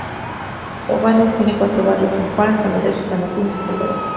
Obanos tiene cuatro barrios: San Juan, San Lorenzo, San Martín y San Salvador.